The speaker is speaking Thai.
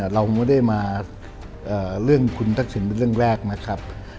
เราไม่ได้มาเรื่องคุณทักษิณเป็นเรื่องแรกนะครับ